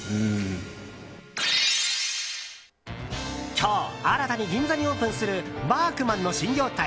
今日、新たに銀座にオープンするワークマンの新業態